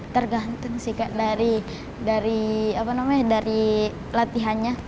tergantung sih kak dari latihannya